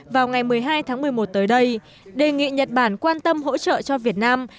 vào ngày một mươi hai tháng một mươi một tới đây đề nghị nhật bản quan tâm hỗ trợ cho việt nam